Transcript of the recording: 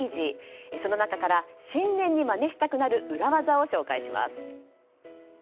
その中から新年にまねしたくなる裏技を紹介します。